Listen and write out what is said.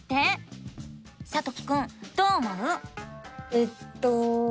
えっと。